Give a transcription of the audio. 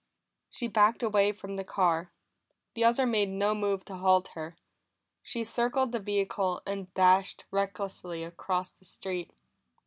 She backed away from the car; the other made no move to halt her. She circled the vehicle and dashed recklessly across the street.